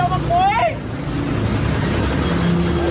บ้าวแบบนั้นอะ